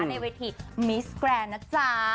ในเวทีมิสแกรนด์นะจ๊ะ